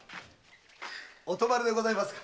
お泊まりでございますか？